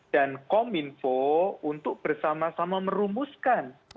dan kominfo untuk bersama sama merumuskan